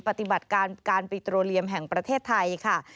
ปฏิบัติการการปิโตรเลียมแห่งประเทศไทยค่ะ